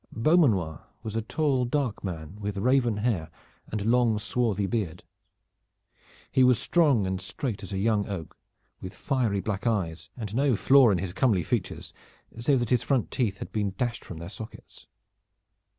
Beaumanoir was a tall dark man with raven hair and long swarthy beard. He was strong and straight as a young oak, with fiery black eyes, and no flaw in his comely features save that his front teeth had been dashed from their sockets.